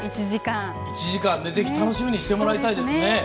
１時間楽しみにしてもらいたいですね。